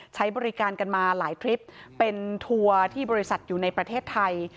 ใช้บริการกันมาหลายทริปเป็นทัวร์ที่บริษัทอยู่ในประเทศไทย